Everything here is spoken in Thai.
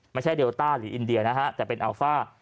ไม่ใช่เดลต้าหรืออินเดียนะครับแต่เป็นอัลฟ้า